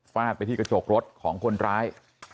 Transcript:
ไปที่กระจกรถของคนร้าย